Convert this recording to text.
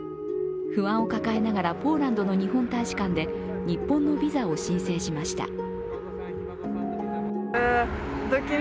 不安を抱えながらポーランドの日本大使館で日本のビザを申請しました。